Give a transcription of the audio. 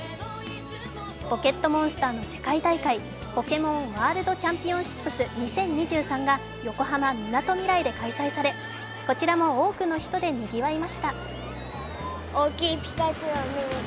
「ポケットモンスター」の世界大会、「ポケモンワールドチャンピオンシップス２０２３」が横浜・みなとみらいで開催され、こちらも多くの人でにぎわいました。